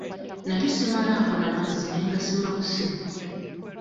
Nali simalaako na mazzi ne ngasima busimi.